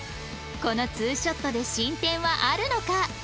このツーショットで進展はあるのか？